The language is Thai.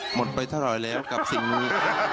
หมดไปเท่าไหร่แล้วกับสิ่งนี้